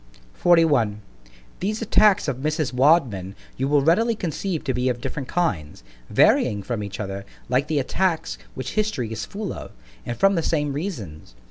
_ C H A P. XLI THESE attacks of Mrs. Wadman, you will readily conceive to be of different kinds; varying from each other, like the attacks which history is full of, and from the same reasons.